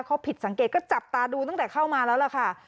เขาผิดสังเกตก็จับตาดูตั้งแต่เข้ามาแล้วล่ะค่ะ